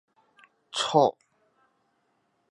测波即测量波浪。